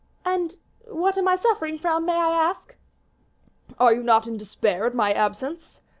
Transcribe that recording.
"And what am I suffering from, may I ask?" "Are you not in despair at my absence?"